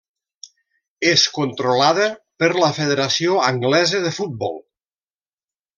És controlada per la Federació Anglesa de Futbol.